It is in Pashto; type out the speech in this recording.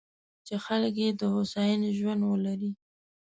چې خلک یې د هوساینې ژوند ولري.